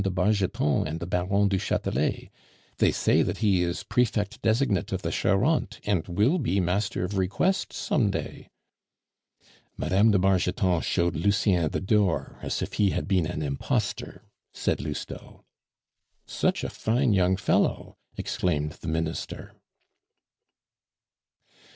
de Bargeton and the Baron du Chatelet; they say that he is prefect designate of the Charente, and will be Master of Requests some day." "Mme. de Bargeton showed Lucien the door as if he had been an imposter," said Lousteau. "Such a fine young fellow!" exclaimed the Minister.